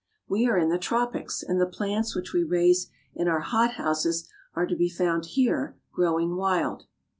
We are in the tropics, and the plants which we raise in our hot houses are to be found here grow ing wild.